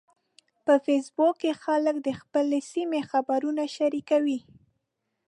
په فېسبوک کې خلک د خپلې سیمې خبرونه شریکوي